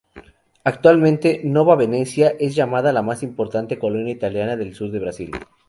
Actualmente Nova Venecia es llamada "la más importante colonia italiana del sur de Brasil".